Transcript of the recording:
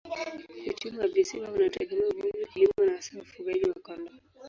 Uchumi wa visiwa unategemea uvuvi, kilimo na hasa ufugaji wa kondoo.